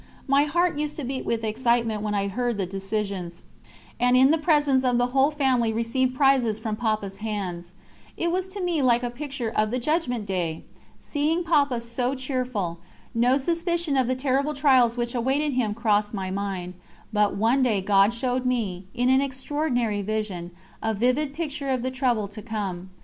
My heart used to beat with excitement when I heard the decisions, and in presence of the whole family received prizes from Papa's hands. It was to me like a picture of the Judgment Day! Seeing Papa so cheerful, no suspicion of the terrible trials which awaited him crossed my mind; but one day God showed me, in an extraordinary vision, a vivid picture of the trouble to come.